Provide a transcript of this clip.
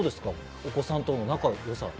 お子さんとの仲の良さ。